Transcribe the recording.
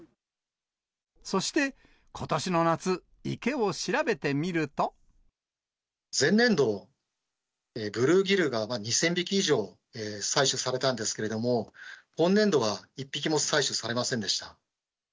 そして、ことしの夏、池を調べて前年度、ブルーギルが２０００匹以上採取されたんですけれども、今年度は１匹も採取されませんでした。